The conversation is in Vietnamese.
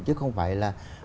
chứ không phải là